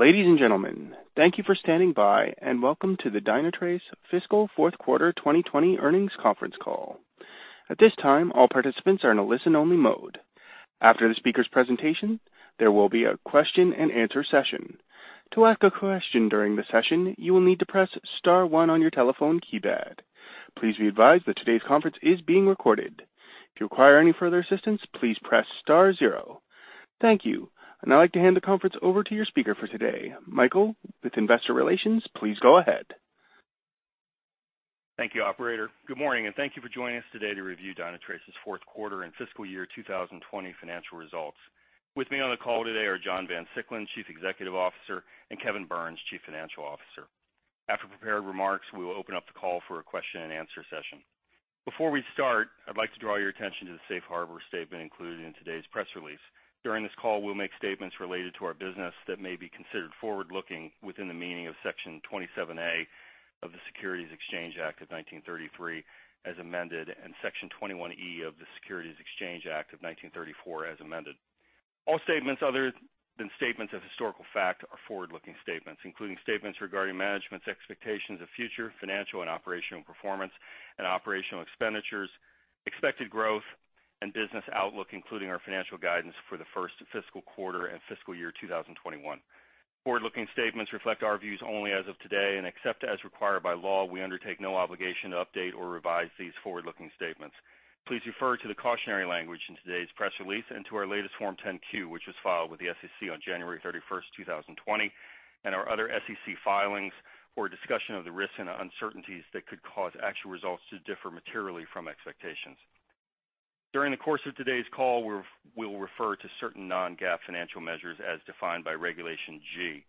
Ladies and gentlemen, thank you for standing by and welcome to the Dynatrace fiscal fourth quarter 2020 earnings conference call. At this time, all participants are in a listen-only mode. After the speaker's presentation, there will be a question and answer session. To ask a question during the session, you will need to press star one on your telephone keypad. Please be advised that today's conference is being recorded. If you require any further assistance, please press star zero. Thank you. I'd now like to hand the conference over to your speaker for today, Michael with investor relations. Please go ahead. Thank you operator. Good morning, thank you for joining us today to review Dynatrace's fourth quarter and fiscal year 2020 financial results. With me on the call today are John Van Siclen, Chief Executive Officer, and Kevin Burns, Chief Financial Officer. After prepared remarks, we will open up the call for a question and answer session. Before we start, I'd like to draw your attention to the Safe Harbor statement included in today's press release. During this call, we'll make statements related to our business that may be considered forward-looking within the meaning of Section 27A of the Securities Act of 1933 as amended, Section 21E of the Securities Exchange Act of 1934 as amended. All statements other than statements of historical fact are forward-looking statements, including statements regarding management's expectations of future financial and operational performance and operational expenditures, expected growth, and business outlook, including our financial guidance for the first fiscal quarter and fiscal year 2021. Forward-looking statements reflect our views only as of today, and except as required by law, we undertake no obligation to update or revise these forward-looking statements. Please refer to the cautionary language in today's press release and to our latest Form 10-Q, which was filed with the SEC on January 31st, 2020, and our other SEC filings for a discussion of the risks and uncertainties that could cause actual results to differ materially from expectations. During the course of today's call, we'll refer to certain non-GAAP financial measures as defined by Regulation G.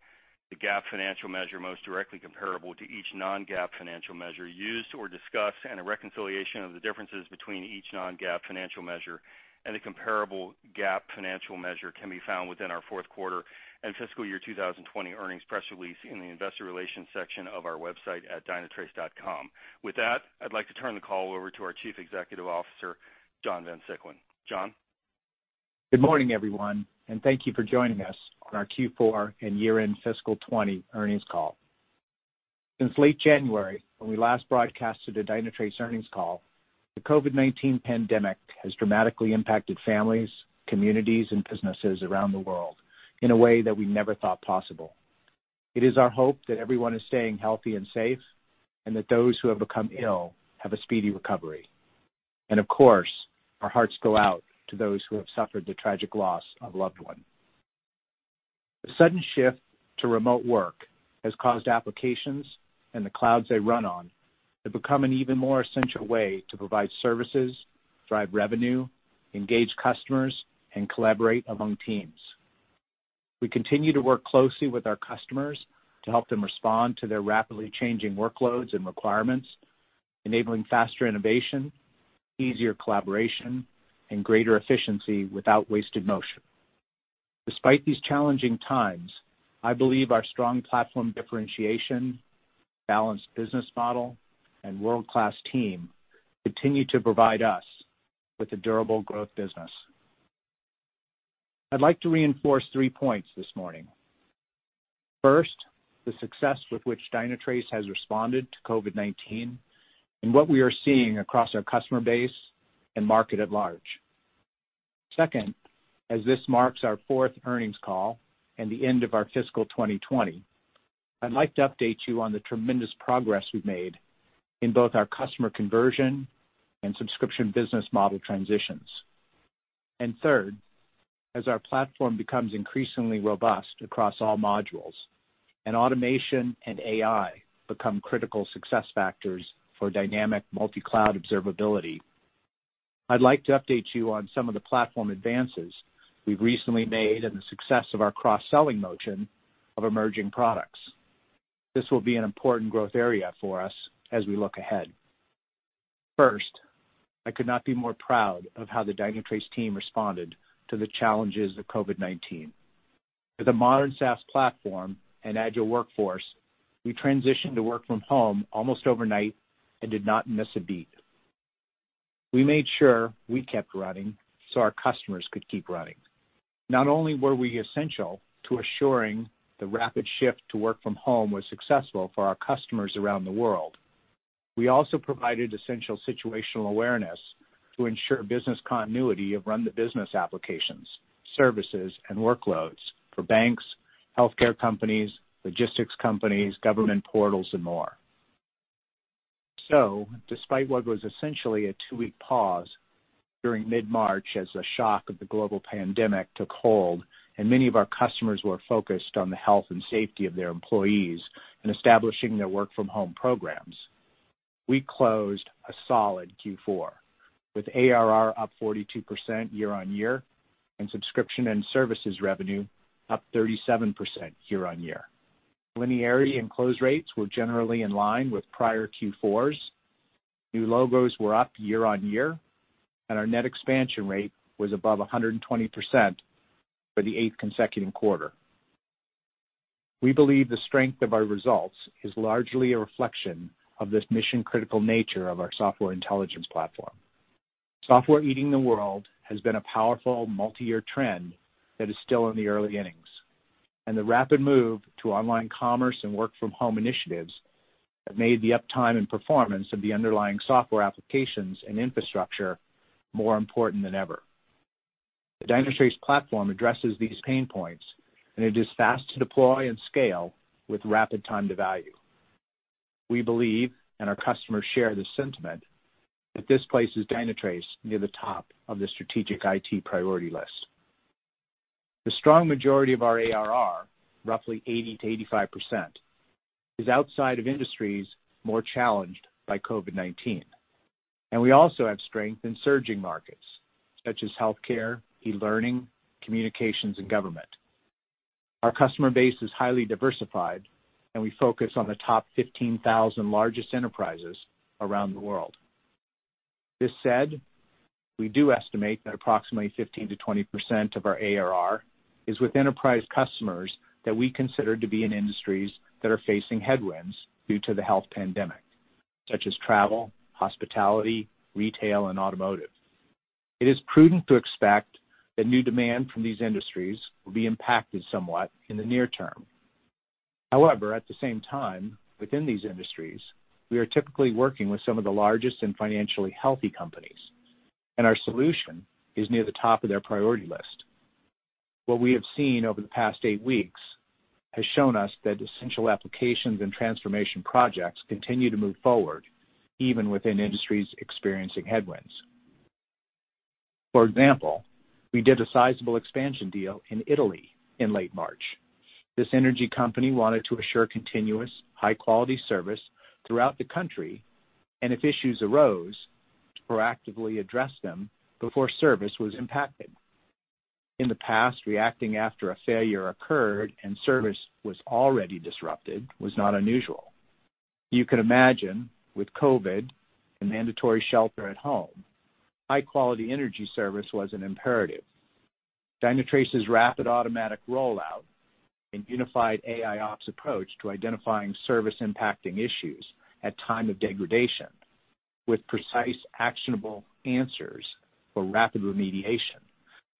The GAAP financial measure most directly comparable to each non-GAAP financial measure used or discussed and a reconciliation of the differences between each non-GAAP financial measure and the comparable GAAP financial measure can be found within our fourth quarter and fiscal year 2020 earnings press release in the investor relations section of our website at dynatrace.com. With that, I'd like to turn the call over to our Chief Executive Officer, John Van Siclen. John? Good morning, everyone, and thank you for joining us on our Q4 and year-end fiscal 2020 earnings call. Since late January, when we last broadcasted a Dynatrace earnings call, the COVID-19 pandemic has dramatically impacted families, communities, and businesses around the world in a way that we never thought possible. It is our hope that everyone is staying healthy and safe, and that those who have become ill have a speedy recovery. Of course, our hearts go out to those who have suffered the tragic loss of a loved one. The sudden shift to remote work has caused applications and the clouds they run on to become an even more essential way to provide services, drive revenue, engage customers, and collaborate among teams. We continue to work closely with our customers to help them respond to their rapidly changing workloads and requirements, enabling faster innovation, easier collaboration, and greater efficiency without wasted motion. Despite these challenging times, I believe our strong platform differentiation, balanced business model, and world-class team continue to provide us with a durable growth business. I'd like to reinforce three points this morning. First, the success with which Dynatrace has responded to COVID-19 and what we are seeing across our customer base and market at large. Second, as this marks our fourth earnings call and the end of our fiscal 2020, I'd like to update you on the tremendous progress we've made in both our customer conversion and subscription business model transitions. Third, as our platform becomes increasingly robust across all modules, automation and AI become critical success factors for dynamic multi-cloud observability, I'd like to update you on some of the platform advances we've recently made and the success of our cross-selling motion of emerging products. This will be an important growth area for us as we look ahead. First, I could not be more proud of how the Dynatrace team responded to the challenges of COVID-19. With a modern SaaS platform and agile workforce, we transitioned to work from home almost overnight and did not miss a beat. We made sure we kept running so our customers could keep running. Not only were we essential to assuring the rapid shift to work from home was successful for our customers around the world, we also provided essential situational awareness to ensure business continuity of run the business applications, services, and workloads for banks, healthcare companies, logistics companies, government portals, and more. Despite what was essentially a 2-week pause during mid-March as the shock of the global pandemic took hold and many of our customers were focused on the health and safety of their employees and establishing their work-from-home programs, we closed a solid Q4, with ARR up 42% year-on-year and subscription and services revenue up 37% year-on-year. Linearity and close rates were generally in line with prior Q4s. New logos were up year-on-year, and our net expansion rate was above 120% for the eighth consecutive quarter. We believe the strength of our results is largely a reflection of this mission-critical nature of our software intelligence platform. Software eating the world has been a powerful multi-year trend that is still in the early innings, and the rapid move to online commerce and work-from-home initiatives have made the uptime and performance of the underlying software applications and infrastructure more important than ever. The Dynatrace platform addresses these pain points, it is fast to deploy and scale with rapid time to value. We believe, and our customers share the sentiment, that this places Dynatrace near the top of the strategic IT priority list. The strong majority of our ARR, roughly 80%-85%, is outside of industries more challenged by COVID-19. We also have strength in surging markets such as healthcare, e-learning, communications, and government. Our customer base is highly diversified, and we focus on the top 15,000 largest enterprises around the world. This said, we do estimate that approximately 15%-20% of our ARR is with enterprise customers that we consider to be in industries that are facing headwinds due to the health pandemic, such as travel, hospitality, retail, and automotive. It is prudent to expect that new demand from these industries will be impacted somewhat in the near term. However, at the same time, within these industries, we are typically working with some of the largest and financially healthy companies, and our solution is near the top of their priority list. What we have seen over the past eight weeks has shown us that essential applications and transformation projects continue to move forward, even within industries experiencing headwinds. For example, we did a sizable expansion deal in Italy in late March. This energy company wanted to assure continuous, high-quality service throughout the country, and if issues arose, to proactively address them before service was impacted. In the past, reacting after a failure occurred and service was already disrupted was not unusual. You can imagine with COVID-19 and mandatory shelter at home, high-quality energy service was an imperative. Dynatrace's rapid automatic rollout and unified AIOps approach to identifying service-impacting issues at time of degradation with precise, actionable answers for rapid remediation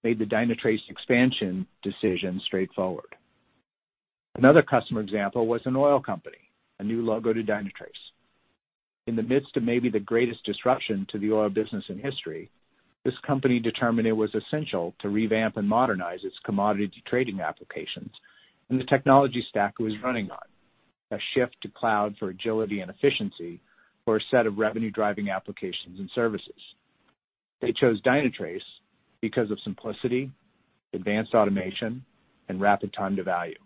made the Dynatrace expansion decision straightforward. Another customer example was an oil company, a new logo to Dynatrace. In the midst of maybe the greatest disruption to the oil business in history, this company determined it was essential to revamp and modernize its commodity trading applications and the technology stack it was running on, a shift to cloud for agility and efficiency for a set of revenue-driving applications and services. They chose Dynatrace because of simplicity, advanced automation, and rapid time to value.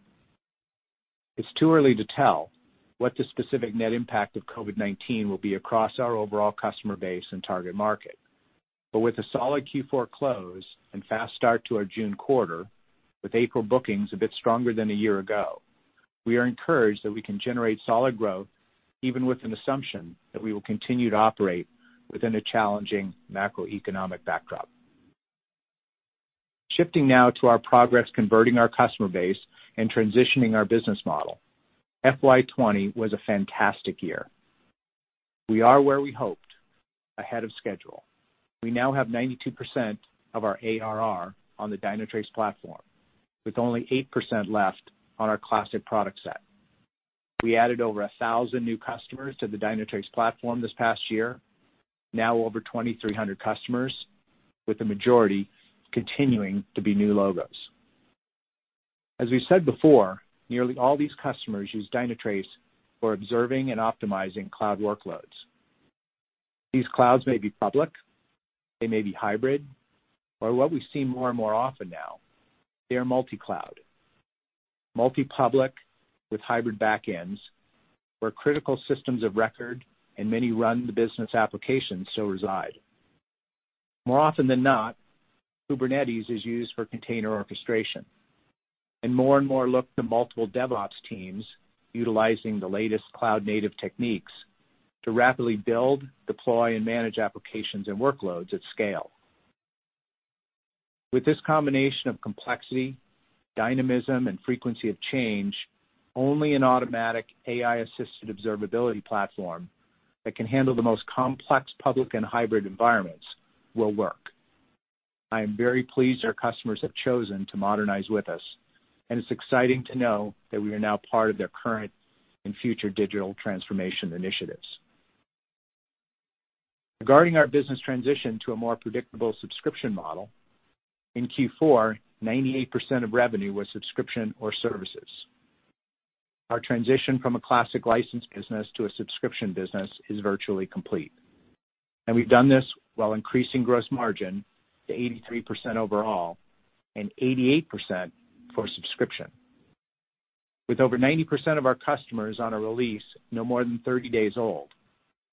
It's too early to tell what the specific net impact of COVID-19 will be across our overall customer base and target market. With a solid Q4 close and fast start to our June quarter, with April bookings a bit stronger than a year ago, we are encouraged that we can generate solid growth even with an assumption that we will continue to operate within a challenging macroeconomic backdrop. Shifting now to our progress converting our customer base and transitioning our business model, FY 2020 was a fantastic year. We are where we hoped, ahead of schedule. We now have 92% of our ARR on the Dynatrace platform, with only 8% left on our classic product set. We added over 1,000 new customers to the Dynatrace platform this past year. Now over 2,300 customers, with the majority continuing to be new logos. As we said before, nearly all these customers use Dynatrace for observing and optimizing cloud workloads. These clouds may be public, they may be hybrid, or what we see more and more often now, they are multi-cloud. Multi-public with hybrid backends where critical systems of record and many run the business applications so reside. More often than not, Kubernetes is used for container orchestration. More and more look to multiple DevOps teams utilizing the latest cloud-native techniques to rapidly build, deploy, and manage applications and workloads at scale. With this combination of complexity, dynamism, and frequency of change, only an automatic AI-assisted observability platform that can handle the most complex public and hybrid environments will work. I am very pleased our customers have chosen to modernize with us, and it's exciting to know that we are now part of their current and future digital transformation initiatives. Regarding our business transition to a more predictable subscription model, in Q4, 98% of revenue was subscription or services. Our transition from a classic license business to a subscription business is virtually complete. We've done this while increasing gross margin to 83% overall and 88% for subscription. With over 90% of our customers on a release no more than 30 days old,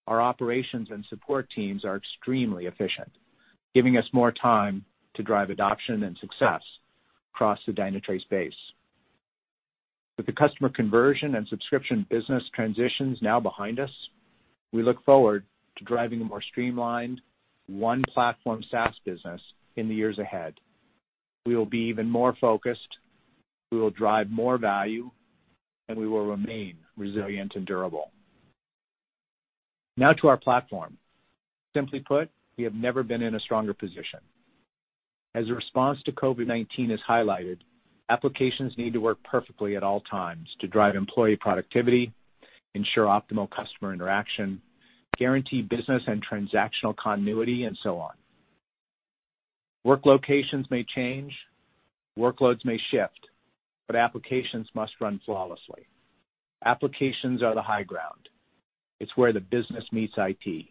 our operations and support teams are extremely efficient, giving us more time to drive adoption and success across the Dynatrace base. With the customer conversion and subscription business transitions now behind us, we look forward to driving a more streamlined one-platform SaaS business in the years ahead. We will drive more value, and we will remain resilient and durable. To our platform. Simply put, we have never been in a stronger position. As a response to COVID-19 has highlighted, applications need to work perfectly at all times to drive employee productivity, ensure optimal customer interaction, guarantee business and transactional continuity, and so on. Work locations may change, workloads may shift, but applications must run flawlessly. Applications are the high ground. It's where the business meets IT.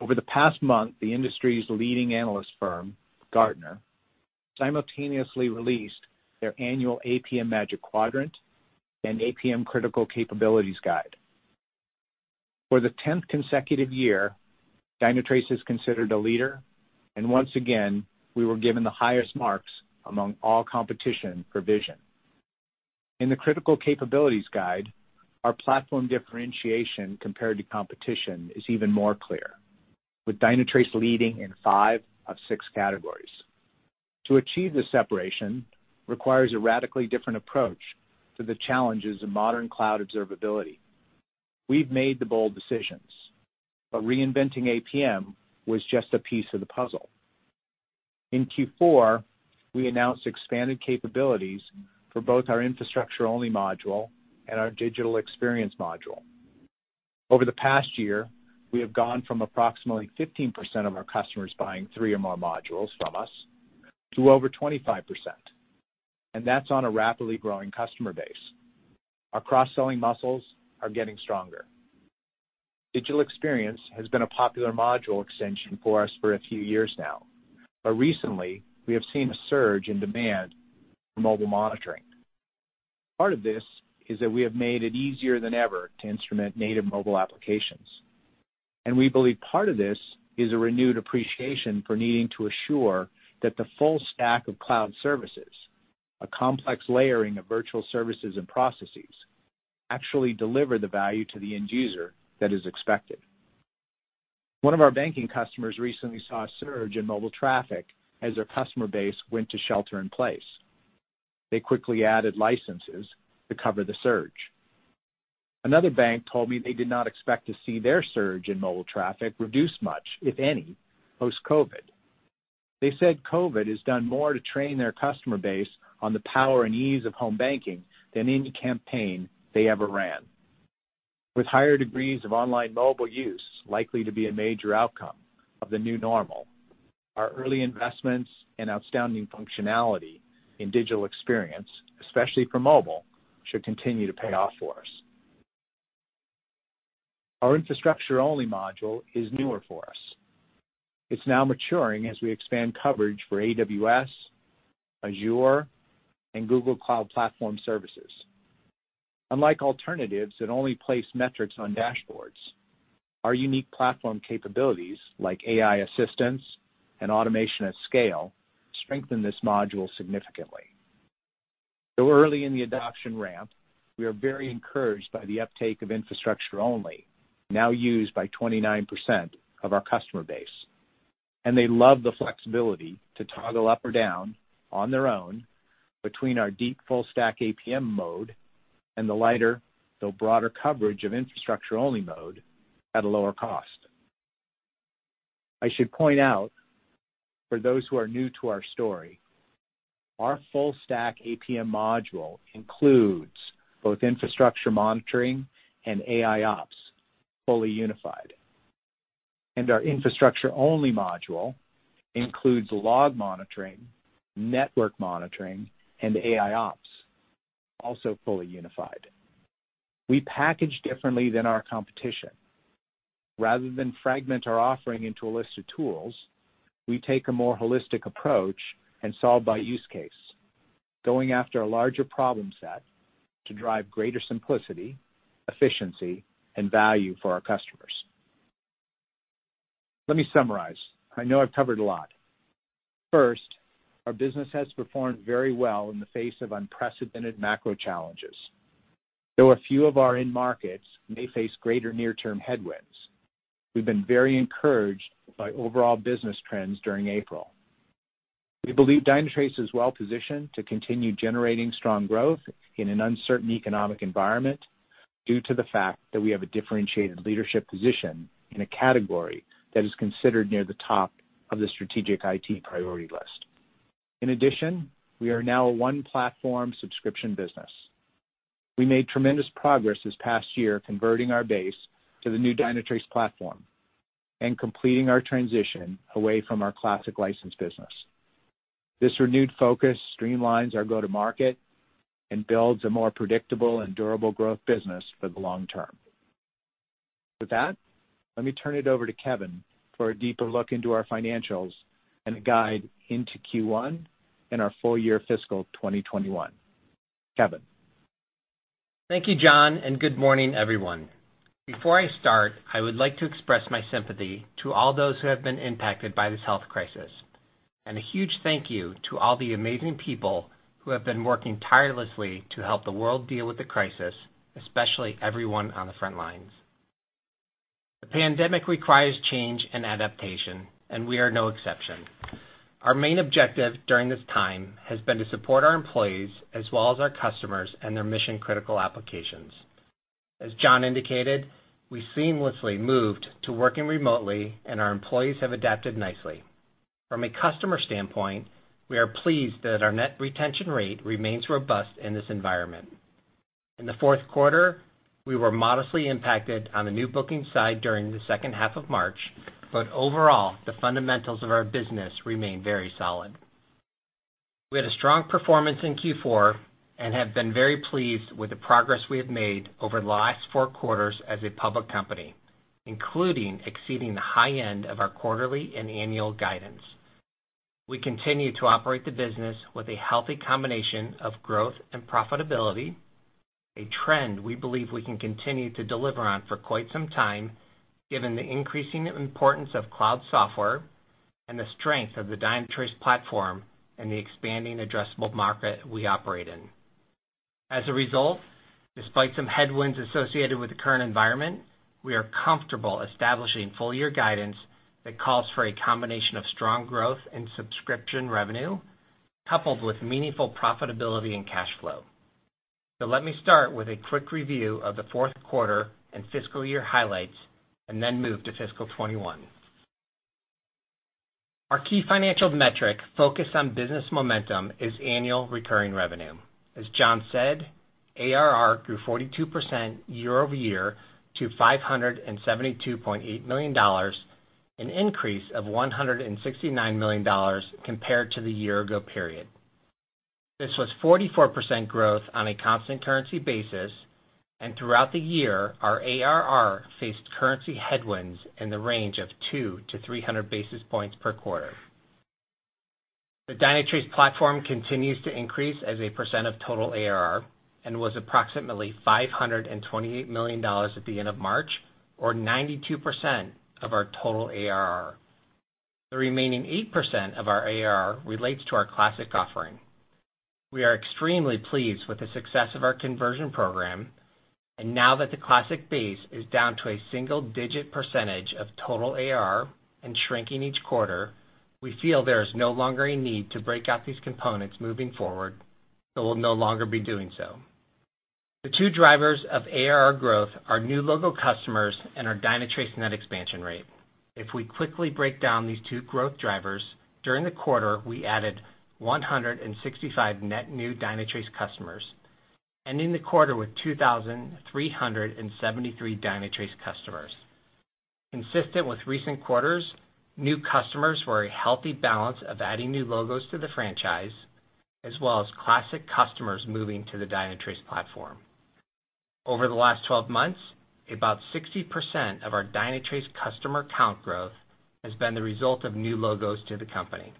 Over the past month, the industry's leading analyst firm, Gartner, simultaneously released their annual APM Magic Quadrant and APM Critical Capabilities guide. For the 10th consecutive year, Dynatrace is considered a leader, and once again, we were given the highest marks among all competition for vision. In the Critical Capabilities guide, our platform differentiation compared to competition is even more clear, with Dynatrace leading in five of 6 categories. To achieve this separation requires a radically different approach to the challenges of modern cloud observability. We've made the bold decisions, reinventing APM was just a piece of the puzzle. In Q4, we announced expanded capabilities for both our infrastructure-only module and our digital experience module. Over the past year, we have gone from approximately 15% of our customers buying three or more modules from us to over 25%, that's on a rapidly growing customer base. Our cross-selling muscles are getting stronger. Digital experience has been a popular module extension for us for a few years now, recently, we have seen a surge in demand for mobile monitoring. Part of this is that we have made it easier than ever to instrument native mobile applications. We believe part of this is a renewed appreciation for needing to assure that the full stack of cloud services, a complex layering of virtual services and processes, actually deliver the value to the end user that is expected. One of our banking customers recently saw a surge in mobile traffic as their customer base went to shelter in place. They quickly added licenses to cover the surge. Another bank told me they did not expect to see their surge in mobile traffic reduce much, if any, post-COVID. They said COVID has done more to train their customer base on the power and ease of home banking than any campaign they ever ran. With higher degrees of online mobile use likely to be a major outcome of the new normal, our early investments and outstanding functionality in digital experience, especially for mobile, should continue to pay off for us. Our infrastructure-only module is newer for us. It's now maturing as we expand coverage for AWS, Azure, and Google Cloud Platform services. Unlike alternatives that only place metrics on dashboards, our unique platform capabilities like AI assistance and automation at scale strengthen this module significantly. Though early in the adoption ramp, we are very encouraged by the uptake of infrastructure only, now used by 29% of our customer base, and they love the flexibility to toggle up or down on their own between our deep full stack APM mode and the lighter, though broader coverage of infrastructure-only mode at a lower cost. I should point out for those who are new to our story, our full stack APM module includes both infrastructure monitoring and AIOps, fully unified. Our infrastructure-only module includes log monitoring, network monitoring, and AIOps, also fully unified. We package differently than our competition. Rather than fragment our offering into a list of tools, we take a more holistic approach and solve by use case, going after a larger problem set to drive greater simplicity, efficiency, and value for our customers. Let me summarize. I know I've covered a lot. First, our business has performed very well in the face of unprecedented macro challenges. Though a few of our end markets may face greater near-term headwinds, we've been very encouraged by overall business trends during April. We believe Dynatrace is well positioned to continue generating strong growth in an uncertain economic environment due to the fact that we have a differentiated leadership position in a category that is considered near the top of the strategic IT priority list. In addition, we are now a one-platform subscription business. We made tremendous progress this past year converting our base to the new Dynatrace platform and completing our transition away from our classic license business. This renewed focus streamlines our go-to-market and builds a more predictable and durable growth business for the long term. With that, let me turn it over to Kevin for a deeper look into our financials and a guide into Q1 and our full year fiscal 2021. Kevin. Thank you, John, and good morning, everyone. Before I start, I would like to express my sympathy to all those who have been impacted by this health crisis, and a huge thank you to all the amazing people who have been working tirelessly to help the world deal with the crisis, especially everyone on the front lines. The pandemic requires change and adaptation, and we are no exception. Our main objective during this time has been to support our employees as well as our customers and their mission-critical applications. As John indicated, we seamlessly moved to working remotely, and our employees have adapted nicely. From a customer standpoint, we are pleased that our net retention rate remains robust in this environment. In the fourth quarter, we were modestly impacted on the new booking side during the second half of March, but overall, the fundamentals of our business remain very solid. We had a strong performance in Q4 and have been very pleased with the progress we have made over the last four quarters as a public company, including exceeding the high end of our quarterly and annual guidance. We continue to operate the business with a healthy combination of growth and profitability, a trend we believe we can continue to deliver on for quite some time, given the increasing importance of cloud software and the strength of the Dynatrace platform and the expanding addressable market we operate in. As a result, despite some headwinds associated with the current environment, we are comfortable establishing full year guidance that calls for a combination of strong growth in subscription revenue coupled with meaningful profitability and cash flow. Let me start with a quick review of the fourth quarter and fiscal year highlights and then move to FY 2021. Our key financial metric focused on business momentum is annual recurring revenue. As John said, ARR grew 42% year-over-year to $572.8 million, an increase of $169 million compared to the year-ago period. This was 44% growth on a constant currency basis, and throughout the year, our ARR faced currency headwinds in the range of 2 to 300 basis points per quarter. The Dynatrace platform continues to increase as a percent of total ARR and was approximately $528 million at the end of March, or 92% of our total ARR. The remaining 8% of our ARR relates to our classic offering. We are extremely pleased with the success of our conversion program, and now that the classic base is down to a single-digit % of total ARR and shrinking each quarter, we feel there is no longer a need to break out these components moving forward, so we'll no longer be doing so. The two drivers of ARR growth are new logo customers and our Dynatrace net expansion rate. If we quickly break down these two growth drivers, during the quarter, we added 165 net new Dynatrace customers, ending the quarter with 2,373 Dynatrace customers. Consistent with recent quarters, new customers were a healthy balance of adding new logos to the franchise, as well as classic customers moving to the Dynatrace platform. Over the last 12 months, about 60% of our Dynatrace customer count growth has been the result of new logos to the company.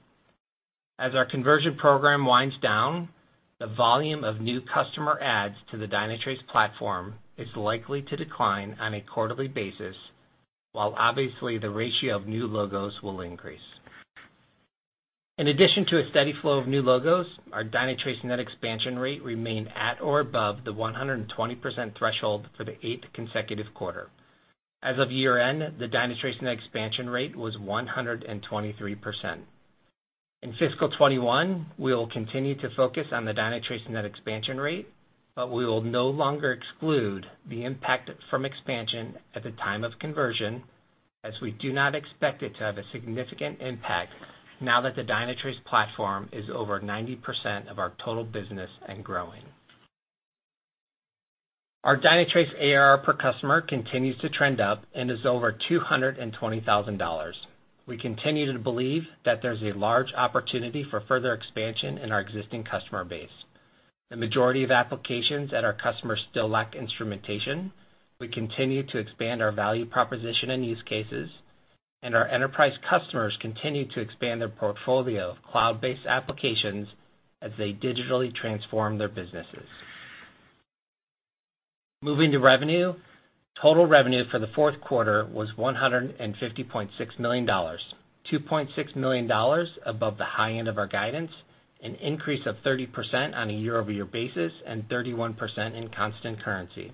As our conversion program winds down, the volume of new customer adds to the Dynatrace platform is likely to decline on a quarterly basis, while obviously the ratio of new logos will increase. In addition to a steady flow of new logos, our Dynatrace net expansion rate remained at or above the 120% threshold for the eighth consecutive quarter. As of year-end, the Dynatrace net expansion rate was 123%. In fiscal 2021, we will continue to focus on the Dynatrace net expansion rate, but we will no longer exclude the impact from expansion at the time of conversion, as we do not expect it to have a significant impact now that the Dynatrace platform is over 90% of our total business and growing. Our Dynatrace ARR per customer continues to trend up and is over $220,000. We continue to believe that there's a large opportunity for further expansion in our existing customer base. The majority of applications at our customers still lack instrumentation. We continue to expand our value proposition and use cases, and our enterprise customers continue to expand their portfolio of cloud-based applications as they digitally transform their businesses. Moving to revenue, total revenue for the fourth quarter was $150.6 million, $2.6 million above the high end of our guidance, an increase of 30% on a year-over-year basis and 31% in constant currency.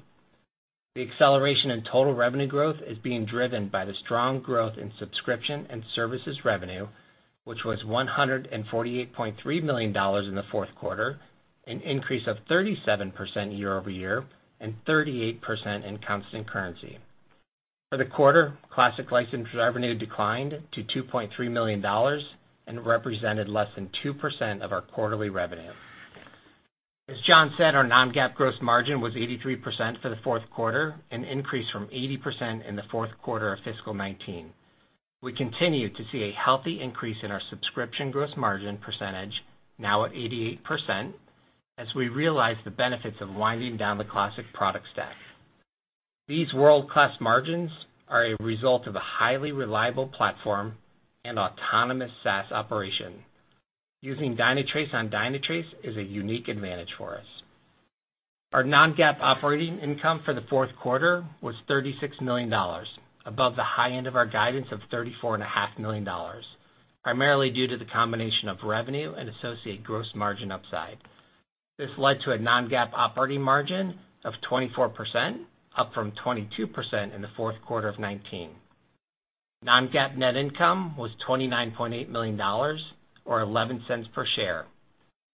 The acceleration in total revenue growth is being driven by the strong growth in subscription and services revenue, which was $148.3 million in the fourth quarter, an increase of 37% year-over-year and 38% in constant currency. For the quarter, classic license revenue declined to $2.3 million and represented less than 2% of our quarterly revenue. As John said, our non-GAAP gross margin was 83% for the fourth quarter, an increase from 80% in the fourth quarter of fiscal 2019. We continue to see a healthy increase in our subscription gross margin percentage, now at 88%, as we realize the benefits of winding down the classic product stack. These world-class margins are a result of a highly reliable platform and autonomous SaaS operation. Using Dynatrace on Dynatrace is a unique advantage for us. Our non-GAAP operating income for the fourth quarter was $36 million, above the high end of our guidance of $34.5 million. Primarily due to the combination of revenue and associate gross margin upside. This led to a non-GAAP operating margin of 24%, up from 22% in the fourth quarter of 2019. Non-GAAP net income was $29.8 million, or $0.11 per share.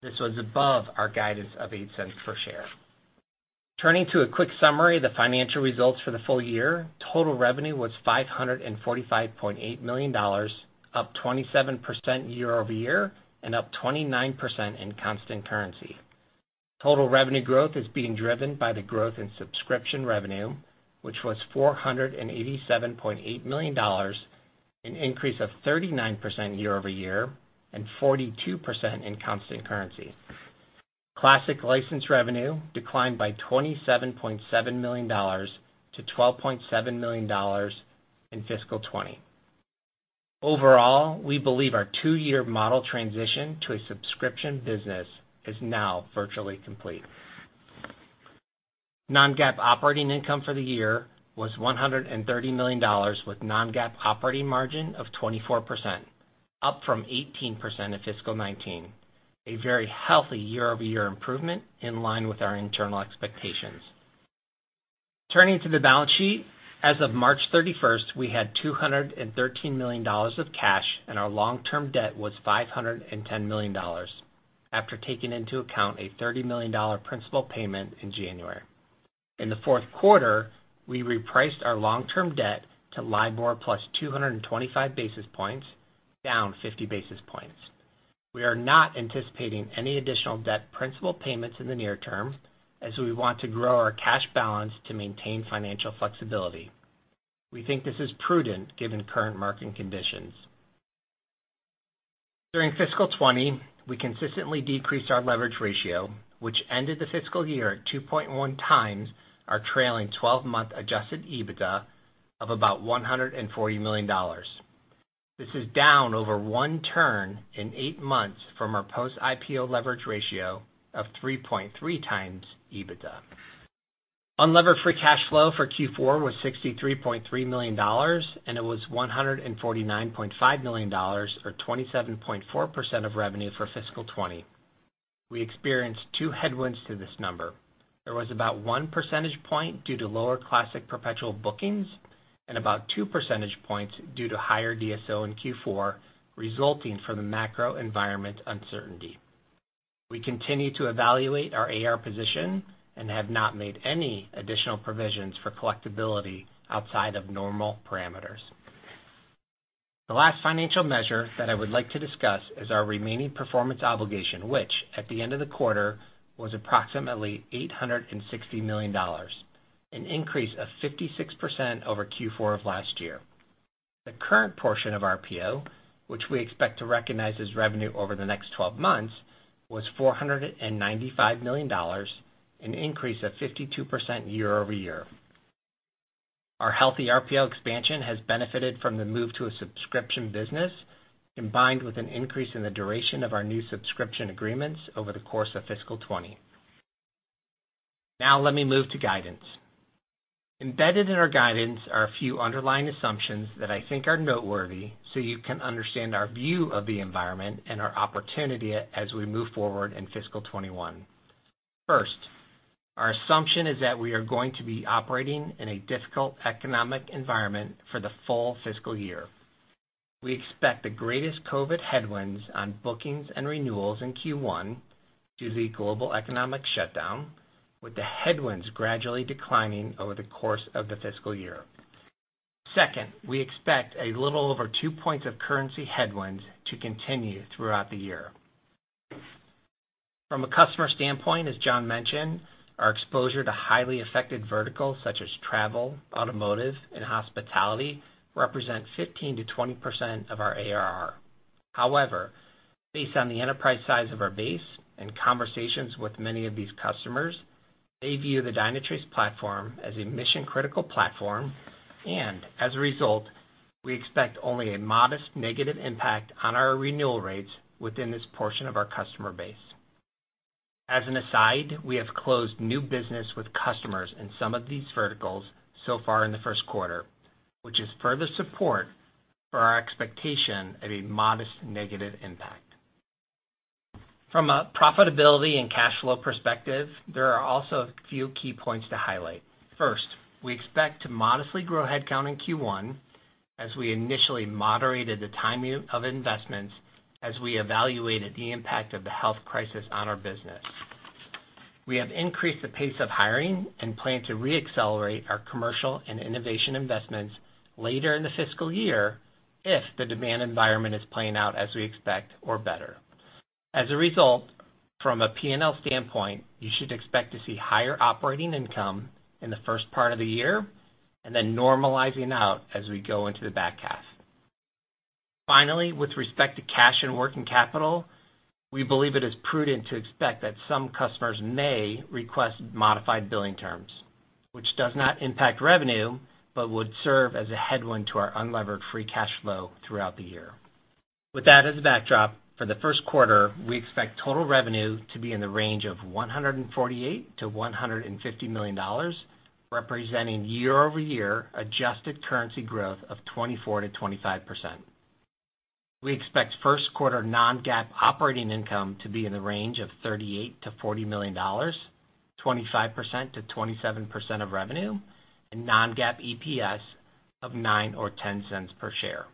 This was above our guidance of $0.08 per share. Turning to a quick summary of the financial results for the full year, total revenue was $545.8 million, up 27% year-over-year, and up 29% in constant currency. Total revenue growth is being driven by the growth in subscription revenue, which was $487.8 million, an increase of 39% year-over-year and 42% in constant currency. Classic license revenue declined by $27.7 million-$12.7 million in fiscal 2020. Overall, we believe our two-year model transition to a subscription business is now virtually complete. Non-GAAP operating income for the year was $130 million, with non-GAAP operating margin of 24%, up from 18% in fiscal 2019, a very healthy year-over-year improvement in line with our internal expectations. Turning to the balance sheet, as of March 31st, we had $213 million of cash and our long-term debt was $510 million, after taking into account a $30 million principal payment in January. In the fourth quarter, we repriced our long-term debt to LIBOR plus 225 basis points, down 50 basis points. We are not anticipating any additional debt principal payments in the near term, as we want to grow our cash balance to maintain financial flexibility. We think this is prudent given current market conditions. During fiscal 2020, we consistently decreased our leverage ratio, which ended the fiscal year at 2.1x our trailing 12-month adjusted EBITDA of about $140 million. This is down over one turn in eight months from our post-IPO leverage ratio of 3.3 times EBITDA. Unlevered free cash flow for Q4 was $63.3 million, and it was $149.5 million, or 27.4% of revenue for fiscal 2020. We experienced two headwinds to this number. There was about one percentage point due to lower classic perpetual bookings and about two percentage points due to higher DSO in Q4, resulting from the macro environment uncertainty. We continue to evaluate our AR position and have not made any additional provisions for collectability outside of normal parameters. The last financial measure that I would like to discuss is our remaining performance obligation, which, at the end of the quarter, was approximately $860 million, an increase of 56% over Q4 of last year. The current portion of RPO, which we expect to recognize as revenue over the next 12 months, was $495 million, an increase of 52% year-over-year. Our healthy RPO expansion has benefited from the move to a subscription business, combined with an increase in the duration of our new subscription agreements over the course of fiscal 2020. Now let me move to guidance. Embedded in our guidance are a few underlying assumptions that I think are noteworthy so you can understand our view of the environment and our opportunity as we move forward in fiscal 2021. First, our assumption is that we are going to be operating in a difficult economic environment for the full fiscal year. We expect the greatest COVID headwinds on bookings and renewals in Q1 due to the global economic shutdown, with the headwinds gradually declining over the course of the fiscal year. Second, we expect a little over two points of currency headwinds to continue throughout the year. From a customer standpoint, as John mentioned, our exposure to highly affected verticals such as travel, automotive, and hospitality represent 15%-20% of our ARR. Based on the enterprise size of our base and conversations with many of these customers, they view the Dynatrace platform as a mission-critical platform, and as a result, we expect only a modest negative impact on our renewal rates within this portion of our customer base. As an aside, we have closed new business with customers in some of these verticals so far in the first quarter, which is further support for our expectation of a modest negative impact. From a profitability and cash flow perspective, there are also a few key points to highlight. We expect to modestly grow headcount in Q1 as we initially moderated the timing of investments as we evaluated the impact of the health crisis on our business. We have increased the pace of hiring and plan to re-accelerate our commercial and innovation investments later in the fiscal year if the demand environment is playing out as we expect or better. From a P&L standpoint, you should expect to see higher operating income in the first part of the year and then normalizing out as we go into the back half. With respect to cash and working capital, we believe it is prudent to expect that some customers may request modified billing terms, which does not impact revenue but would serve as a headwind to our unlevered free cash flow throughout the year. For the first quarter, we expect total revenue to be in the range of $148 million-$150 million, representing year-over-year adjusted currency growth of 24%-25%. We expect first quarter non-GAAP operating income to be in the range of $38 million-$40 million, 25%-27% of revenue, and non-GAAP EPS of $0.09-$0.10 per share.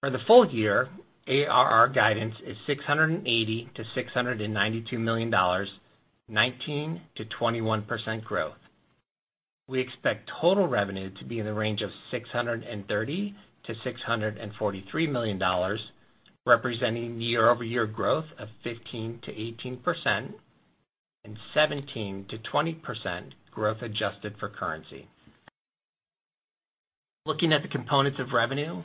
For the full year, ARR guidance is $680 million-$692 million, 19%-21% growth. We expect total revenue to be in the range of $630 million-$643 million, representing year-over-year growth of 15%-18%, and 17%-20% growth adjusted for currency. Looking at the components of revenue,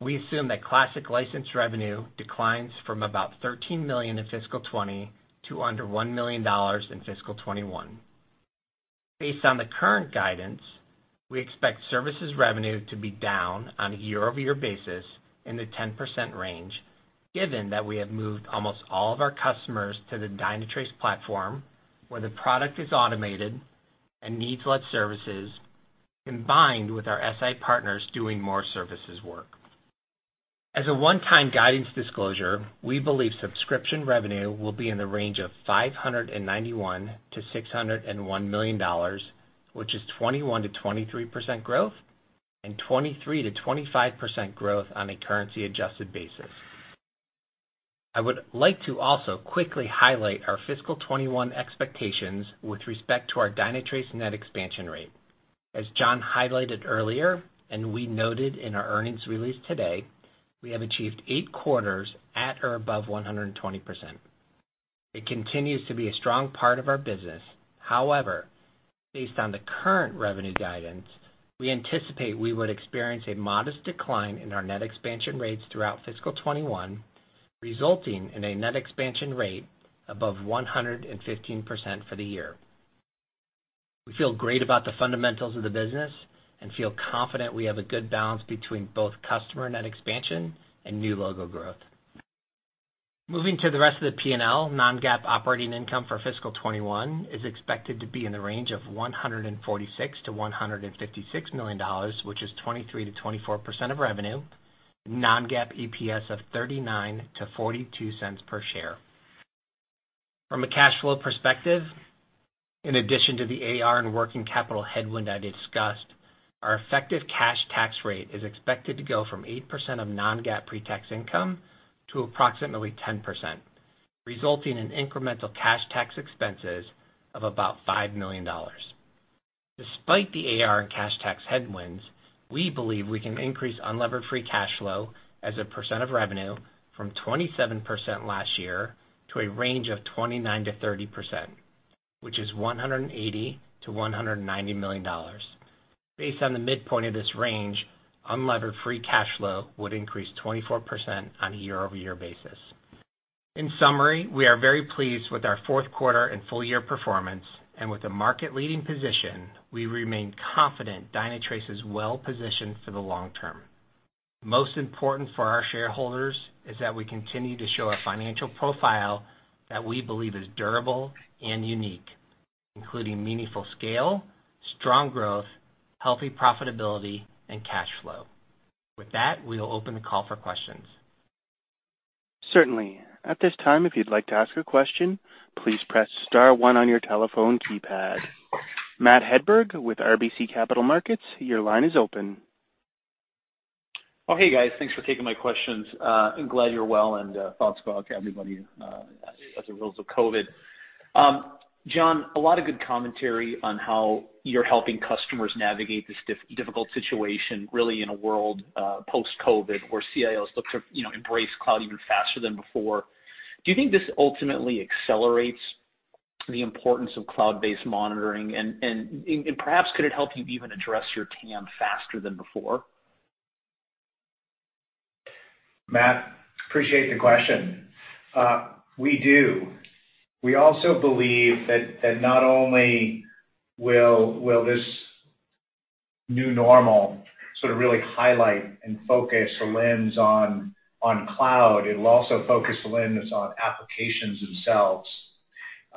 we assume that classic license revenue declines from about $13 million in fiscal 2020 to under $1 million in fiscal 2021. Based on the current guidance, we expect services revenue to be down on a year-over-year basis in the 10% range, given that we have moved almost all of our customers to the Dynatrace platform, where the product is automated and needs less services, combined with our SI partners doing more services work. As a one-time guidance disclosure, we believe subscription revenue will be in the range of $591 million-$601 million, which is 21%-23% growth, and 23%-25% growth on a currency adjusted basis. I would like to also quickly highlight our fiscal 2021 expectations with respect to our Dynatrace net expansion rate. As John highlighted earlier, and we noted in our earnings release today, we have achieved eight quarters at or above 120%. It continues to be a strong part of our business. However, based on the current revenue guidance, we anticipate we would experience a modest decline in our net expansion rates throughout fiscal 2021, resulting in a net expansion rate above 115% for the year. We feel great about the fundamentals of the business and feel confident we have a good balance between both customer net expansion and new logo growth. Moving to the rest of the P&L, non-GAAP operating income for fiscal 2021 is expected to be in the range of $146 million-$156 million, which is 23%-24% of revenue, non-GAAP EPS of $0.39-$0.42 per share. From a cash flow perspective, in addition to the AR and working capital headwind I discussed, our effective cash tax rate is expected to go from 8% of non-GAAP pre-tax income to approximately 10%, resulting in incremental cash tax expenses of about $5 million. Despite the AR and cash tax headwinds, we believe we can increase unlevered free cash flow as a percent of revenue from 27% last year to a range of 29%-30%, which is $180 million-$190 million. Based on the midpoint of this range, unlevered free cash flow would increase 24% on a year-over-year basis. In summary, we are very pleased with our fourth quarter and full-year performance, and with a market-leading position, we remain confident Dynatrace is well-positioned for the long term. Most important for our shareholders is that we continue to show a financial profile that we believe is durable and unique, including meaningful scale, strong growth, healthy profitability, and cash flow. With that, we will open the call for questions. Certainly. At this time, if you'd like to ask a question, please press star one on your telephone keypad. Matt Hedberg with RBC Capital Markets, your line is open. Oh, hey, guys. Thanks for taking my questions. I'm glad you're well, and thoughts go out to everybody as it relates to COVID. John, a lot of good commentary on how you're helping customers navigate this difficult situation, really in a world post-COVID where CIOs look to embrace cloud even faster than before. Do you think this ultimately accelerates the importance of cloud-based monitoring? Perhaps could it help you even address your TAM faster than before? Matt, appreciate the question. We do. We also believe that not only will this new normal sort of really highlight and focus a lens on cloud, it will also focus the lens on applications themselves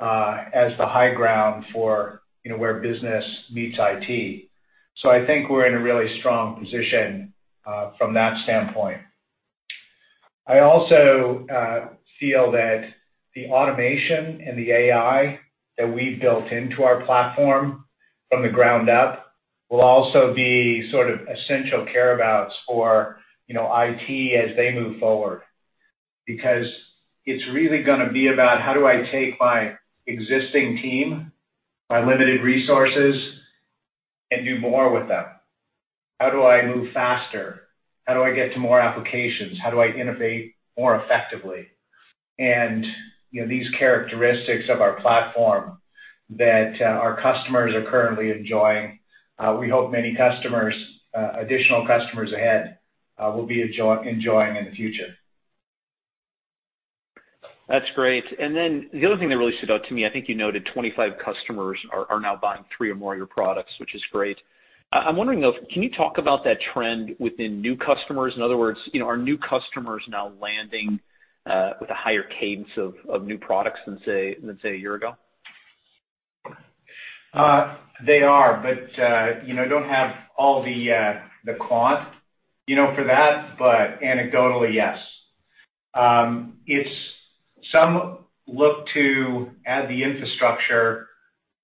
as the high ground for where business meets IT. I think we're in a really strong position from that standpoint. I also feel that the automation and the AI that we've built into our platform from the ground up will also be sort of essential care abouts for IT as they move forward. It's really gonna be about how do I take my existing team, my limited resources, and do more with them? How do I move faster? How do I get to more applications? How do I innovate more effectively? These characteristics of our platform that our customers are currently enjoying, we hope many additional customers ahead will be enjoying in the future. That's great. The other thing that really stood out to me, I think you noted 25 customers are now buying three or more of your products, which is great. I'm wondering though, can you talk about that trend within new customers? In other words, are new customers now landing with a higher cadence of new products than, say, a year ago? They are, but I don't have all the quant for that. Anecdotally, yes. Some look to add the infrastructure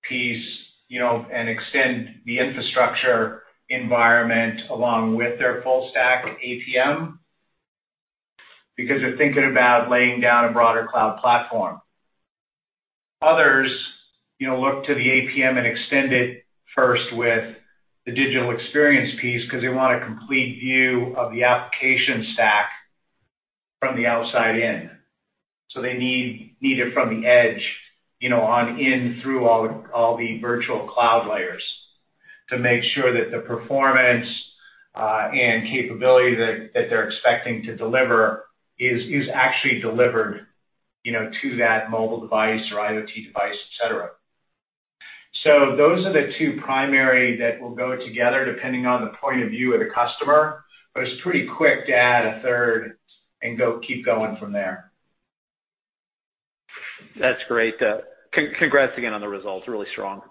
piece, and extend the infrastructure environment along with their full stack APM, because they're thinking about laying down a broader cloud platform. Others look to the APM and extend it first with the digital experience piece because they want a complete view of the application stack from the outside in. They need it from the edge, on in through all the virtual cloud layers to make sure that the performance, and capability that they're expecting to deliver is actually delivered to that mobile device or IoT device, etc.. Those are the two primary that will go together depending on the point of view of the customer. It's pretty quick to add a third and keep going from there. That's great. Congrats again on the results. Really strong.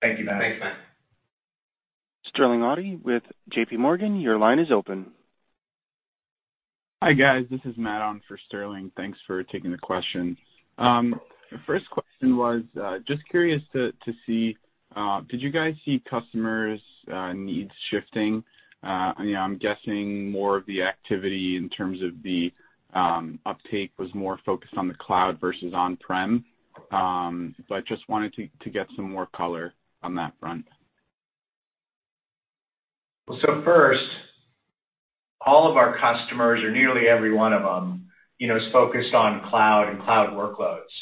Thank you Matt. Thanks Matt. Sterling Auty with JP Morgan, your line is open. Hi, guys. This is Matt on for Sterling. Thanks for taking the questions. The first question was, just curious to see, did you guys see customers' needs shifting? I'm guessing more of the activity in terms of the uptake was more focused on the cloud versus on-prem. I just wanted to get some more color on that front. First, all of our customers, or nearly every one of them, is focused on cloud and cloud workloads.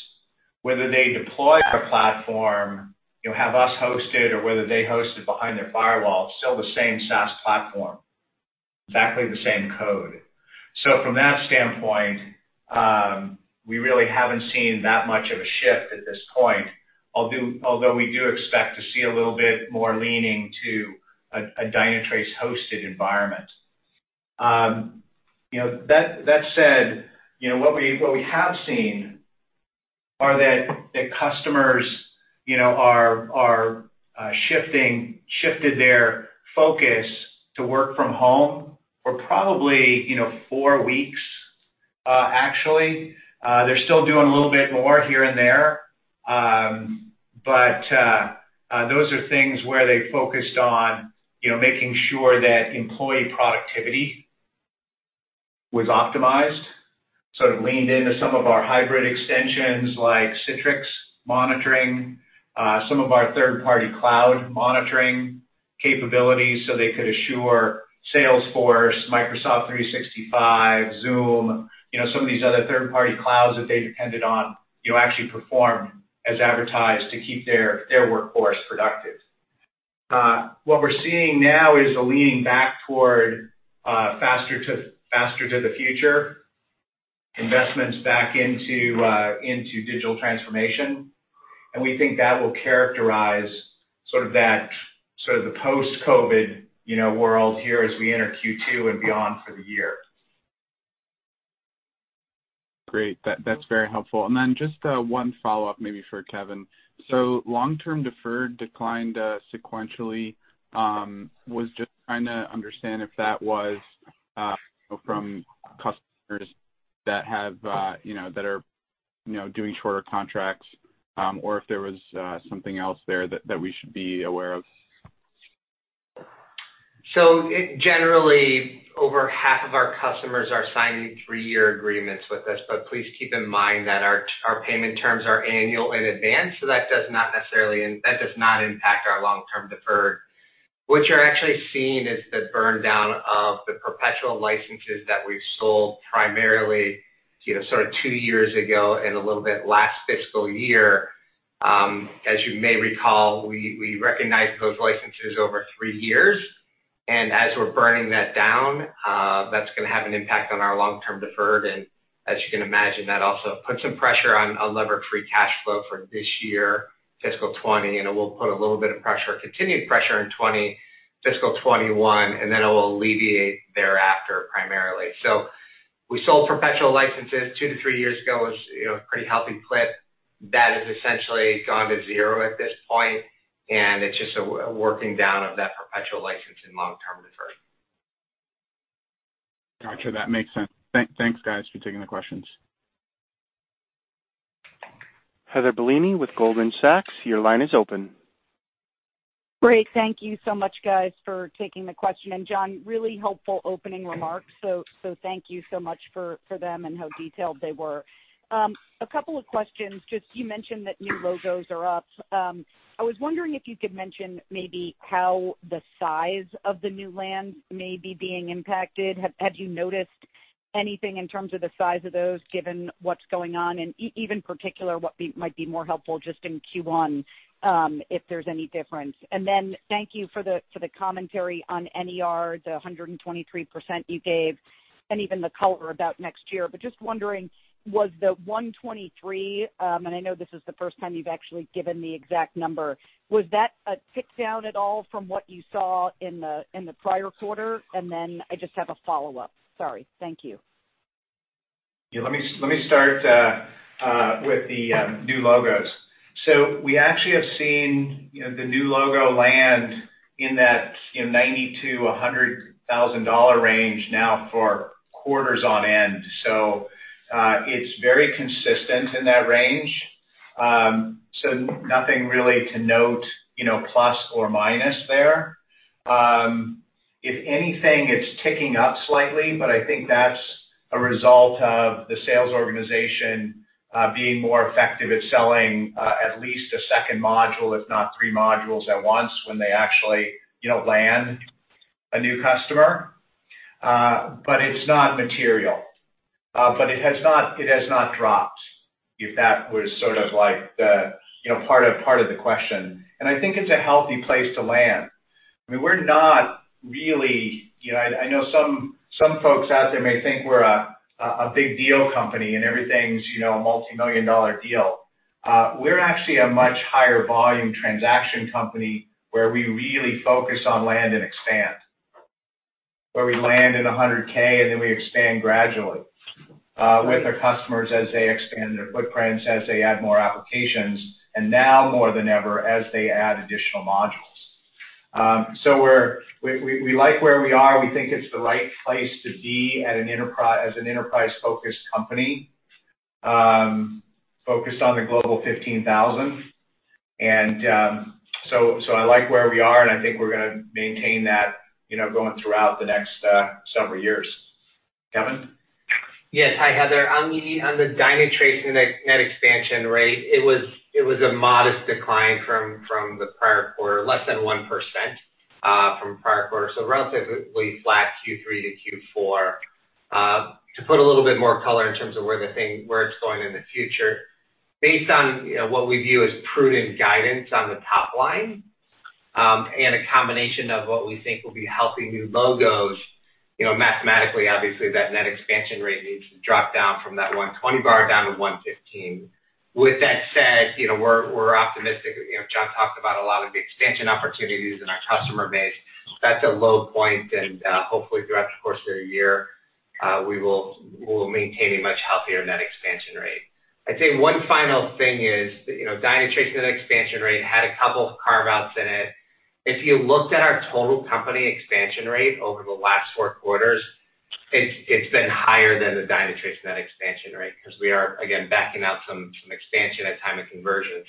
Whether they deploy our platform, have us hosted or whether they host it behind their firewall, it's still the same SaaS platform, exactly the same code. From that standpoint, we really haven't seen that much of a shift at this point, although we do expect to see a little bit more leaning to a Dynatrace-hosted environment. That said, what we have seen are that customers shifted their focus to work from home for probably four weeks, actually. They're still doing a little bit more here and there. Those are things where they focused on making sure that employee productivity was optimized, sort of leaned into some of our hybrid extensions like Citrix monitoring, some of our third-party cloud monitoring capabilities so they could assure Salesforce, Microsoft 365, Zoom, some of these other third-party clouds that they depended on actually performed as advertised to keep their workforce productive. What we're seeing now is a leaning back toward faster to the future, investments back into digital transformation. We think that will characterize sort of the post-COVID world here as we enter Q2 and beyond for the year. Great. That's very helpful. Just one follow-up, maybe for Kevin. Long-term deferred declined sequentially. I was just trying to understand if that was from customers that are doing shorter contracts, or if there was something else there that we should be aware of? Generally, over half of our customers are signing three-year agreements with us, but please keep in mind that our payment terms are annual in advance, so that does not impact our long-term deferred. What you're actually seeing is the burn down of the perpetual licenses that we've sold primarily sort of two years ago and a little bit last fiscal year. As you may recall, we recognized those licenses over three years. As we're burning that down, that's going to have an impact on our long-term deferred. As you can imagine, that also puts some pressure on levered free cash flow for this year, fiscal 2020, and it will put a little bit of continued pressure in fiscal 2021, then it will alleviate thereafter, primarily. We sold perpetual licenses two to three years ago. It was a pretty healthy clip. That has essentially gone to zero at this point, and it's just a working down of that perpetual license and long-term deferred. Got you. That makes sense. Thanks, guys, for taking the questions. Heather Bellini with Goldman Sachs, your line is open. Great. Thank you so much guys for taking the question. John, really helpful opening remarks, so thank you so much for them and how detailed they were. A couple of questions. Just, you mentioned that new logos are up. I was wondering if you could mention maybe how the size of the new lands may be being impacted. Have you noticed anything in terms of the size of those, given what's going on? Even particular what might be more helpful just in Q1, if there's any difference. Thank you for the commentary on NER, the 123% you gave, and even the color about next year. Just wondering, was the 123, and I know this is the first time you've actually given the exact number, was that a tick down at all from what you saw in the prior quarter? I just have a follow-up. Sorry. Thank you. Yeah, let me start with the new logos. We actually have seen the new logo land in that $90,000 to $100,000 range now for quarters on end. It's very consistent in that range, nothing really to note, plus or minus there. If anything, it's ticking up slightly, but I think that's a result of the sales organization being more effective at selling at least a second module, if not three modules at once when they actually land a new customer. It's not material. It has not dropped, if that was sort of part of the question. I think it's a healthy place to land. I know some folks out there may think we're a big deal company and everything's a multimillion-dollar deal. We're actually a much higher volume transaction company where we really focus on land and expand, where we land in $100,000 and then we expand gradually with our customers as they expand their footprints, as they add more applications. Now more than ever, as they add additional modules. We like where we are. We think it's the right place to be as an enterprise-focused company, focused on the Global 15,000. I like where we are, and I think we're going to maintain that going throughout the next several years. Kevin? Yes. Hi, Heather. On the Dynatrace net expansion rate, it was a modest decline from the prior quarter, less than 1% from prior quarter, relatively flat Q3 to Q4. To put a little bit more color in terms of where it's going in the future, based on what we view as prudent guidance on the top line, a combination of what we think will be healthy new logos, mathematically, obviously, that net expansion rate needs to drop down from that 120 bar down to 115. With that said, we're optimistic. John talked about a lot of the expansion opportunities in our customer base. That's a low point, hopefully throughout the course of the year, we will maintain a much healthier net expansion rate. I'd say one final thing is Dynatrace net expansion rate had a couple of carve-outs in it. If you looked at our total company expansion rate over the last fourth quarters, it's been higher than the Dynatrace net expansion rate because we are, again, backing out some expansion at time of conversion.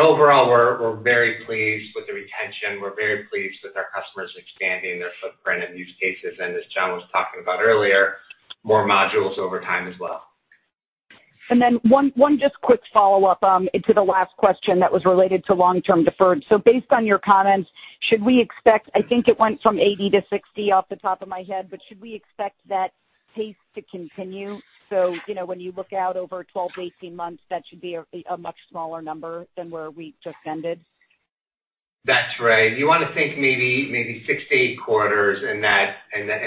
Overall, we're very pleased with the retention. We're very pleased with our customers expanding their footprint and use cases, and as John was talking about earlier, more modules over time as well. One just quick follow-up to the last question that was related to long-term deferred. Based on your comments, should we expect, I think it went from 80 to 60 off the top of my head, but should we expect that pace to continue? When you look out over 12 to 18 months, that should be a much smaller number than where we just ended? That's right. You want to think maybe 6-8 quarters, and